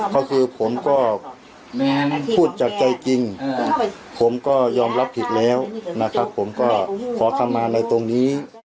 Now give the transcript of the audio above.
ก็คือผมก็พูดจากใจจริงผมก็ยอมรับผิดแล้วนะครับผมก็ขอคำมาในตรงนี้